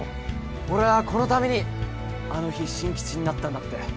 俺ぁこのためにあの日進吉になったんだって。